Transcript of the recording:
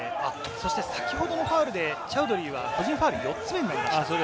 先ほどのファウルでチャウドリーは個人ファウル４つ目になりました。